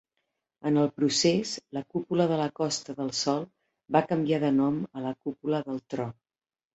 En el procés, la Cúpula de la Costa del Sol va canviar de nom a la Cúpula del Tro.